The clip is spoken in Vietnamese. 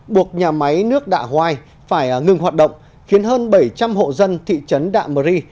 buộc nhà máy nước đạ hoai phải ngừng hoạt động khiến hơn bảy trăm linh hộ dân thị trấn đạm rê